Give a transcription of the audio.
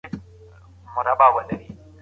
په پير کي د خيار حق اخيستونکي ته اجازه ورکوي.